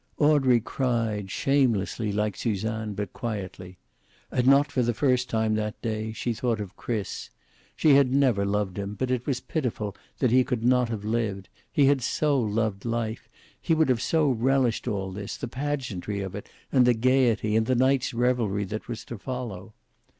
Audrey cried, shamelessly like Suzanne, but quietly. And, not for the first time that day, she thought of Chris. She had never loved him, but it was pitiful that he could not have lived. He had so loved life. He would have so relished all this, the pageantry of it, and the gayety, and the night's revelry that was to follow.